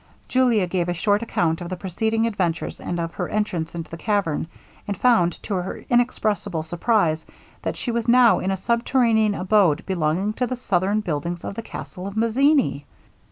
Julia gave a short account of the preceding adventures, and of her entrance into the cavern; and found, to her inexpressible surprize, that she was now in a subterranean abode belonging to the southern buildings of the castle of Mazzini!